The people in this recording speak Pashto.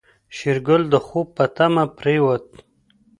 شېرګل د خوب په تمه پرېوت.